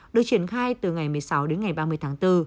được triển khai từ ngày một mươi sáu đến ngày ba mươi tháng bốn